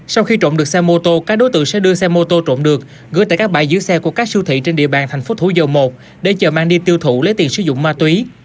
sau khi trộm được xe mô tô các đối tượng sẽ đưa xe mô tô trộm được gửi tại các bãi giữ xe của các siêu thị trên địa bàn thành phố thủ dầu một để chờ mang đi tiêu thụ lấy tiền sử dụng ma túy